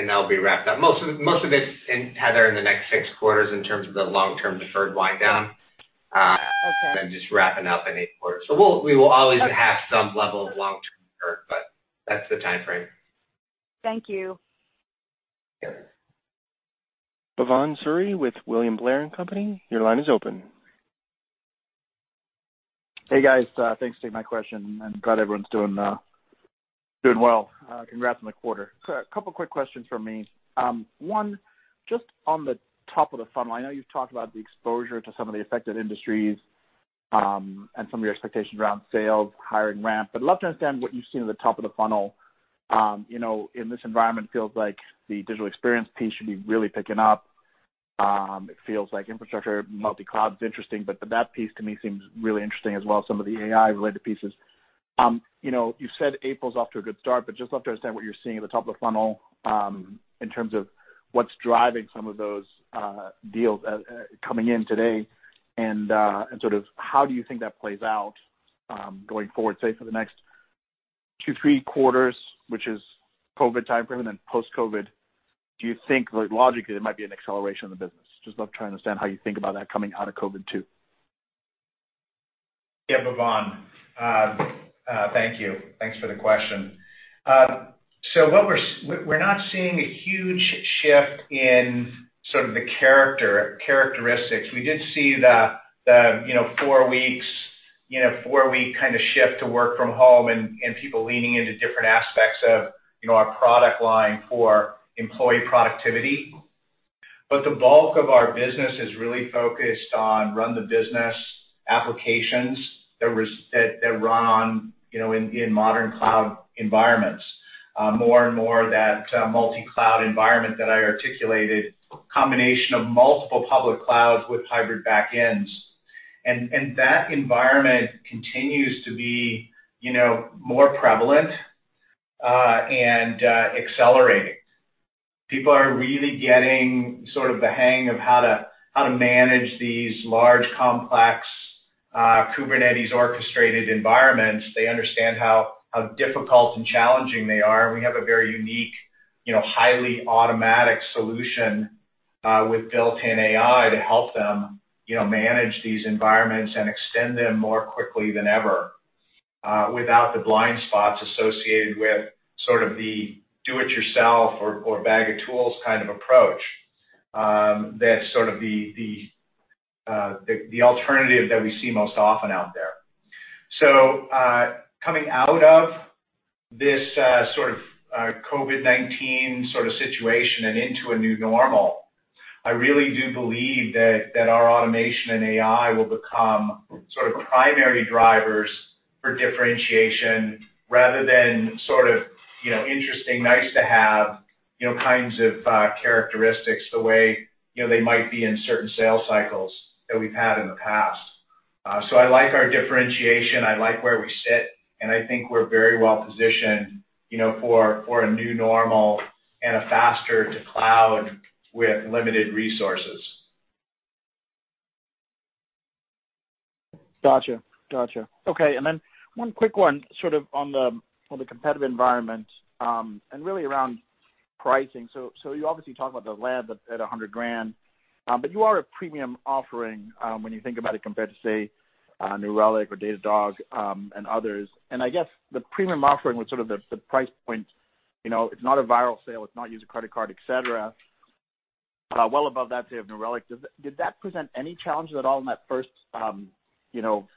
that'll be wrapped up. Most of it, Heather, in the next six quarters in terms of the long-term deferred wind down. Okay. Just wrapping up in eight quarters. We will always have some level of long-term deferred, but that's the timeframe. Thank you. Yeah. Bhavan Suri with William Blair & Company, your line is open. Hey, guys. Thanks for taking my question, and glad everyone's doing well. Congrats on the quarter. A couple quick questions from me. One, just on the top of the funnel, I know you've talked about the exposure to some of the affected industries, and some of your expectations around sales, hiring ramp. I'd love to understand what you've seen at the top of the funnel. In this environment, feels like the digital experience piece should be really picking up. It feels like infrastructure multi-cloud is interesting, but that piece to me seems really interesting as well, some of the AI-related pieces. You said April's off to a good start, but just love to understand what you're seeing at the top of the funnel, in terms of what's driving some of those deals coming in today, and sort of how do you think that plays out, going forward, say, for the next two, three quarters, which is COVID time frame, and then post-COVID. Do you think, logically, there might be an acceleration of the business? Just love to try and understand how you think about that coming out of COVID too. Bhavan. Thank you. Thanks for the question. We're not seeing a huge shift in sort of the characteristics. We did see the four week kind of shift to work from home and people leaning into different aspects of our product line for employee productivity. The bulk of our business is really focused on run-the-business applications that run in modern cloud environments. More and more of that multi-cloud environment that I articulated, combination of multiple public clouds with hybrid backends. That environment continues to be more prevalent, and accelerating. People are really getting sort of the hang of how to manage these large, complex, Kubernetes-orchestrated environments. They understand how difficult and challenging they are, and we have a very unique, highly automatic solution, with built-in AI to help them manage these environments and extend them more quickly than ever. Without the blind spots associated with the do-it-yourself or bag of tools kind of approach. That's the alternative that we see most often out there. Coming out of this COVID-19 situation and into a new normal, I really do believe that our automation and AI will become primary drivers for differentiation rather than interesting, nice-to-have, kinds of characteristics the way they might be in certain sales cycles that we've had in the past. I like our differentiation. I like where we sit, and I think we're very well-positioned for a new normal and a faster to cloud with limited resources. Got you. Okay. One quick one on the competitive environment, and really around pricing. You obviously talk about the land at $100,000. You are a premium offering, when you think about it, compared to, say New Relic or Datadog, and others. I guess the premium offering with the price point, it's not a viral sale, it's not use a credit card, etc.. Well above that, say, of New Relic, did that present any challenges at all in that first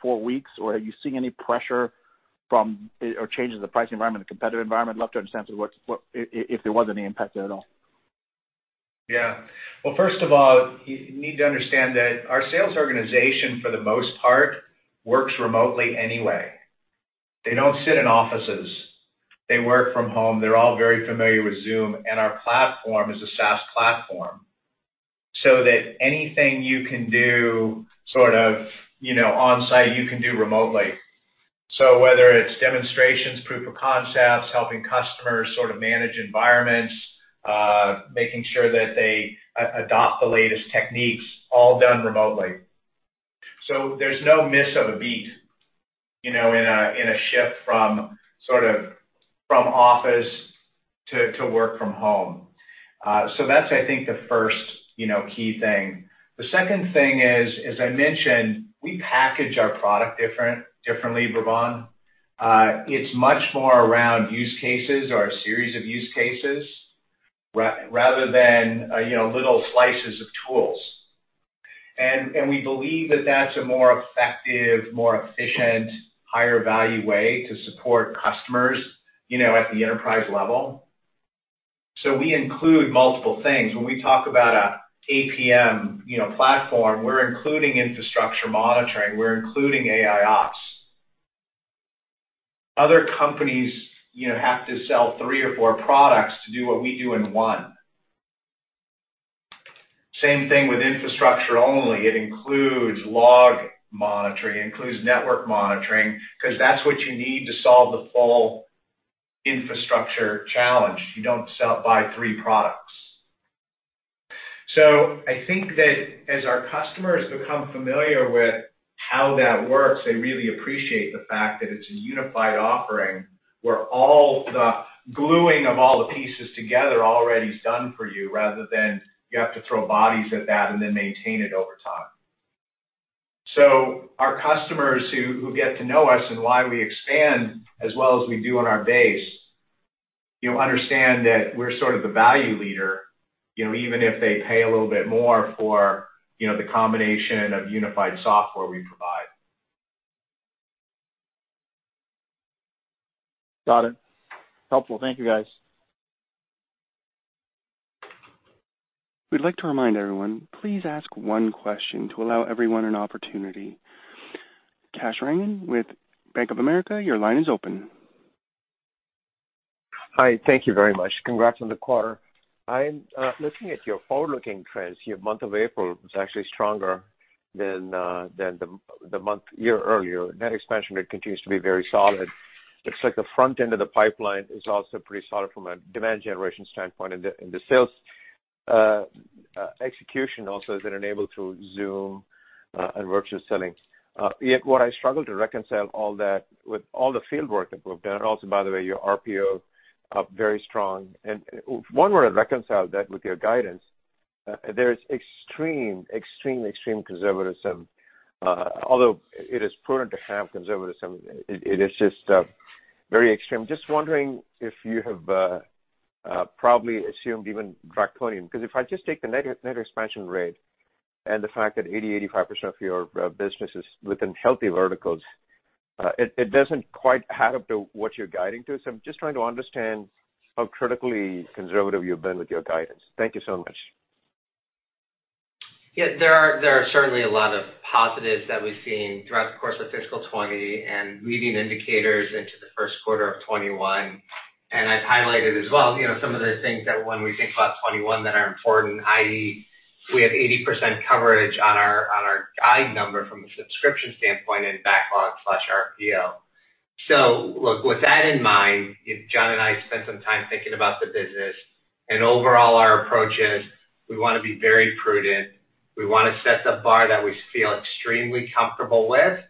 four weeks? Are you seeing any pressure from or changes in the pricing environment, the competitive environment? I'd love to understand if there was any impact there at all. Yeah. Well, first of all, you need to understand that our sales organization, for the most part, works remotely anyway. They don't sit in offices. They work from home. They're all very familiar with Zoom, and our platform is a SaaS platform, so that anything you can do onsite, you can do remotely. Whether it's demonstrations, proof of concepts, helping customers manage environments, making sure that they adopt the latest techniques, all done remotely. There's no miss of a beat in a shift from office to work from home. That's, I think, the first key thing. The second thing is, as I mentioned, we package our product differently, Bhavan. It's much more around use cases or a series of use cases, rather than little slices of tools. We believe that that's a more effective, more efficient, higher-value way to support customers at the enterprise level. We include multiple things. When we talk about an APM platform, we're including infrastructure monitoring. We're including AIOps. Other companies have to sell three or four products to do what we do in one. Same thing with infrastructure only. It includes log monitoring, it includes network monitoring, because that's what you need to solve the full infrastructure challenge. You don't buy three products. I think that as our customers become familiar with how that works, they really appreciate the fact that it's a unified offering where all the gluing of all the pieces together already is done for you, rather than you have to throw bodies at that and then maintain it over time. Our customers who've yet to know us and why we expand as well as we do on our base, understand that we're sort of the value leader, even if they pay a little bit more for the combination of unified software we provide. Got it. Helpful. Thank you, guys. We'd like to remind everyone, please ask one question to allow everyone an opportunity. Kash Rangan with Bank of America, your line is open. Hi. Thank you very much. Congrats on the quarter. I'm looking at your forward-looking trends. Your month of April was actually stronger than the month year earlier, net expansion rate continues to be very solid. Looks like the front end of the pipeline is also pretty solid from a demand generation standpoint, and the sales execution also has been enabled through Zoom and virtual selling. Yet what I struggle to reconcile all that with all the field work that we've done, also, by the way, your RPO, very strong. One way to reconcile that with your guidance, there's extreme conservatism. Although it is prudent to have conservatism, it is just very extreme. Just wondering if you have probably assumed even draconian, because if I just take the net expansion rate and the fact that 80%, 85% of your business is within healthy verticals, it doesn't quite add up to what you're guiding to. I'm just trying to understand how critically conservative you've been with your guidance. Thank you so much. Yeah. There are certainly a lot of positives that we've seen throughout the course of fiscal 2020 and leading indicators into the first quarter of 2021. I've highlighted as well some of the things that when we think about 2021 that are important, i.e., we have 80% coverage on our guide number from a subscription standpoint and backlog/RPO. Look, with that in mind, John and I spent some time thinking about the business. Overall, our approach is we want to be very prudent. We want to set the bar that we feel extremely comfortable with,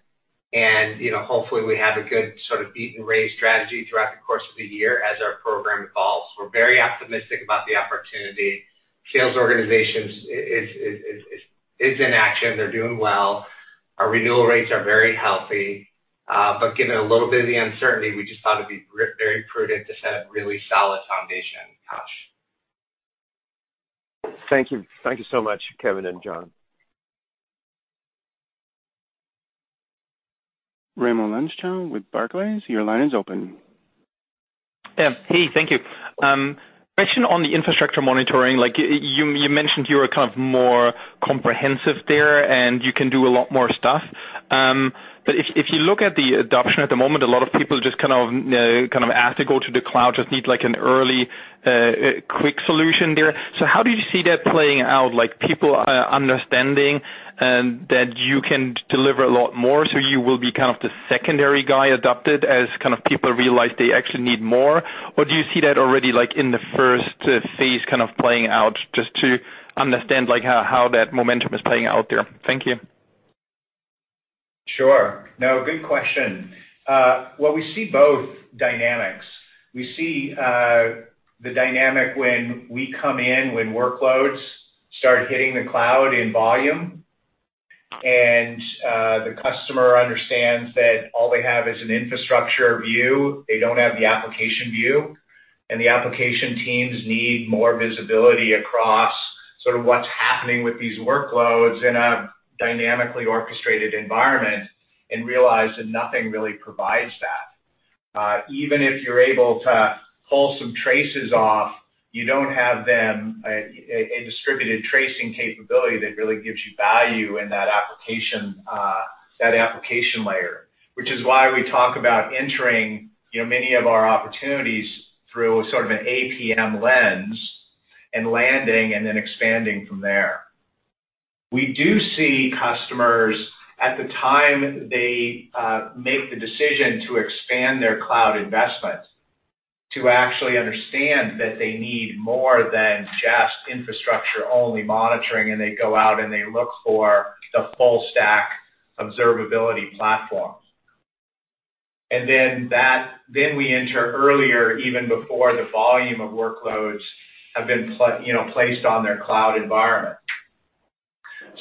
and hopefully we have a good sort of beat and raise strategy throughout the course of the year as our program evolves. We're very optimistic about the opportunity. Sales organization is in action. They're doing well. Our renewal rates are very healthy. Given a little bit of the uncertainty, we just thought it'd be very prudent to set a really solid foundation, Kash. Thank you so much, Kevin and John. Raimo Lenschow with Barclays, your line is open. Thank you. Question on the infrastructure monitoring. You mentioned you were kind of more comprehensive there, and you can do a lot more stuff. If you look at the adoption at the moment, a lot of people just kind of, as they go to the cloud, just need an early, quick solution there. How do you see that playing out? Like people understanding that you can deliver a lot more, so you will be kind of the secondary guy adopted as people realize they actually need more? Do you see that already in the first phase kind of playing out, just to understand how that momentum is playing out there. Thank you. Sure. No, good question. Well, we see both dynamics. We see the dynamic when we come in, when workloads start hitting the cloud in volume, and the customer understands that all they have is an infrastructure view. They don't have the application view, and the application teams need more visibility across sort of what's happening with these workloads in a dynamically orchestrated environment and realize that nothing really provides that. Even if you're able to pull some traces off, you don't have them, a distributed tracing capability that really gives you value in that application layer. Which is why we talk about entering many of our opportunities through sort of an APM lens and landing and then expanding from there. We do see customers at the time they make the decision to expand their cloud investment, to actually understand that they need more than just infrastructure-only monitoring. They go out and they look for the full stack observability platform. We enter earlier, even before the volume of workloads have been placed on their cloud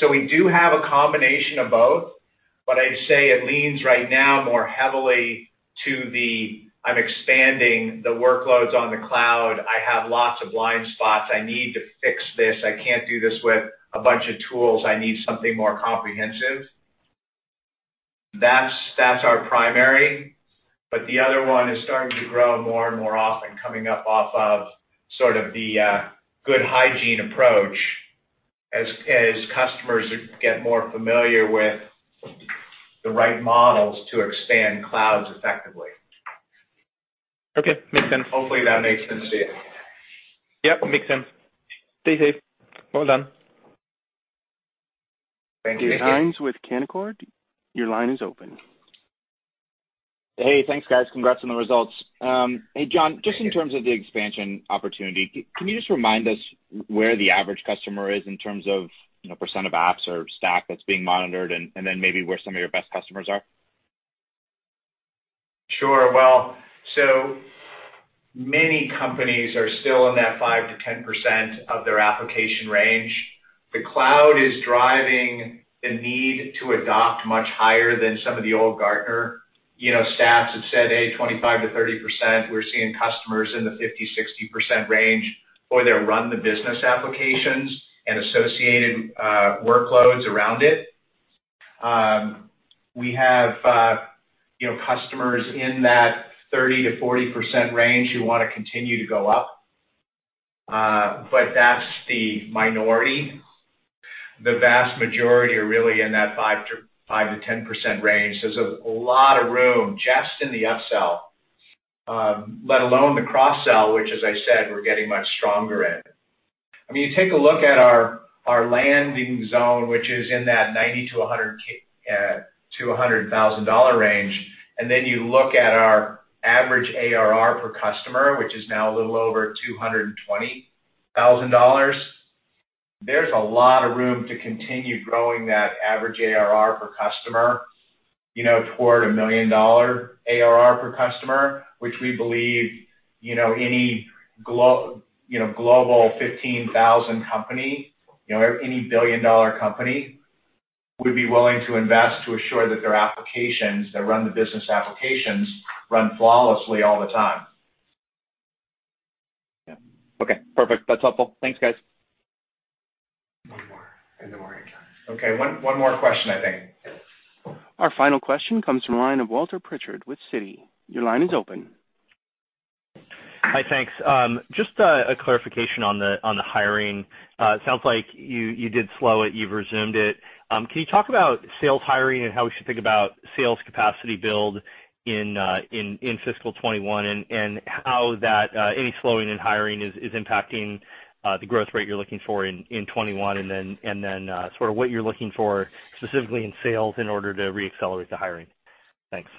environment. We do have a combination of both, but I'd say it leans right now more heavily to the, "I'm expanding the workloads on the cloud. I have lots of blind spots. I need to fix this. I can't do this with a bunch of tools. I need something more comprehensive." That's our primary. The other one is starting to grow more and more often, coming up off of sort of the good hygiene approach as customers get more familiar with the right models to expand clouds effectively. Okay. Makes sense. Hopefully that makes sense to you. Yep, makes sense. Stay safe. Well done. Thank you. Hynes with Canaccord. Your line is open. Hey, thanks, guys. Congrats on the results. Thank you. Hey, John, just in terms of the expansion opportunity, can you just remind us where the average customer is in terms of % of apps or stack that's being monitored, and then maybe where some of your best customers are? Sure. Well, so many companies are still in that 5%-10% of their application range. The cloud is driving the need to adopt much higher than some of the old Gartner stats have said, 25%-30%. We're seeing customers in the 50%, 60% range for their run-the-business applications and associated workloads around it. We have customers in that 30%-40% range who want to continue to go up. That's the minority. The vast majority are really in that 5%-10% range. There's a lot of room just in the upsell. Let alone the cross-sell, which, as I said, we're getting much stronger in. You take a look at our landing zone, which is in that $90,000-$100,000 range, and then you look at our average ARR per customer, which is now a little over $220,000. There's a lot of room to continue growing that average ARR per customer toward a million-dollar ARR per customer, which we believe any Global 15,000 company, any billion-dollar company would be willing to invest to assure that their applications, their run-the-business applications run flawlessly all the time. Yeah. Okay, perfect. That's helpful. Thanks, guys. One more, and no more after. Okay. One more question, I think. Our final question comes from the line of Walter Pritchard with Citi. Your line is open. Hi, thanks. Just a clarification on the hiring. It sounds like you did slow it, you've resumed it. Can you talk about sales hiring and how we should think about sales capacity build in fiscal 2021, and how any slowing in hiring is impacting the growth rate you're looking for in 2021? What you're looking for specifically in sales in order to re-accelerate the hiring? Thanks.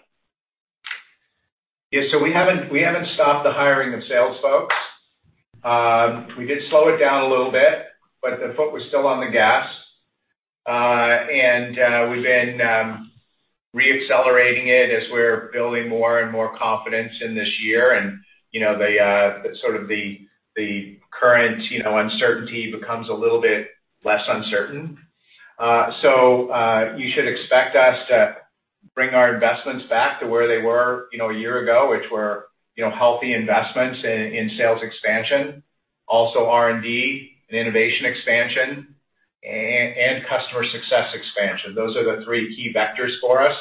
Yeah. We haven't stopped the hiring of sales folks. We did slow it down a little bit, but the foot was still on the gas. We've been re-accelerating it as we're building more and more confidence in this year and sort of the current uncertainty becomes a little bit less uncertain. You should expect us to bring our investments back to where they were a year ago, which were healthy investments in sales expansion, also R&D and innovation expansion, and customer success expansion. Those are the three key vectors for us,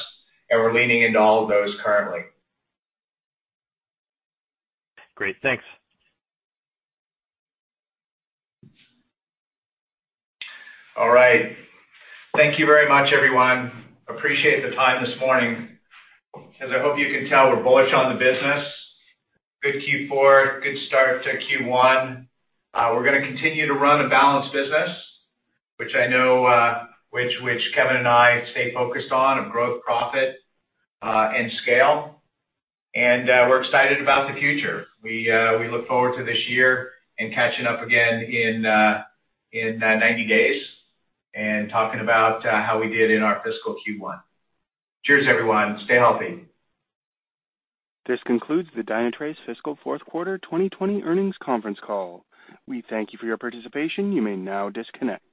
and we're leaning into all of those currently. Great, thanks. All right. Thank you very much, everyone. Appreciate the time this morning. As I hope you can tell, we're bullish on the business. Good Q4, good start to Q1. We're going to continue to run a balanced business, which Kevin and I stay focused on, of growth, profit, and scale. We're excited about the future. We look forward to this year and catching up again in 90 days and talking about how we did in our fiscal Q1. Cheers, everyone. Stay healthy. This concludes the Dynatrace fiscal fourth quarter 2020 earnings conference call. We thank you for your participation. You may now disconnect.